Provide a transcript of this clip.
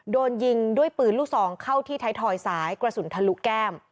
โดนยิงด้วยปืนลูกซองเข้าที่ไทยทอยซ้ายกระสุนทะลุแก้ม